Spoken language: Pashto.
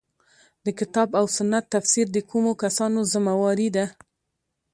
د کتاب او سنت تفسیر د کومو کسانو ذمه واري ده.